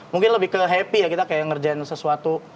mungkin lebih ke happy ya kita kayak ngerjain sesuatu